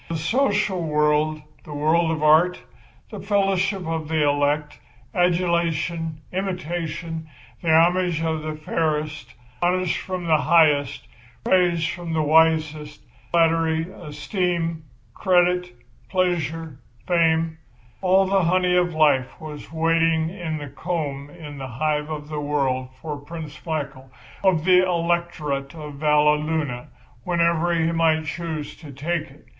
The social world, the world of art, the fellowship of the elect, adulation, imitation, the homage of the fairest, honours from the highest, praise from the wisest, flattery, esteem, credit, pleasure, fame—all the honey of life was waiting in the comb in the hive of the world for Prince Michael, of the Electorate of Valleluna, whenever he might choose to take it.